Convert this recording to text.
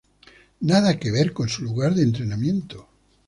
Nada que ver con su lugar de entrenamiento.